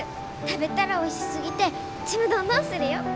食べたらおいしすぎてちむどんどんするよ！